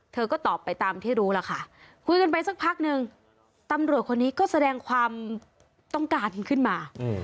ก็ตอบไปตามที่รู้ล่ะค่ะคุยกันไปสักพักนึงตำรวจคนนี้ก็แสดงความต้องการขึ้นมา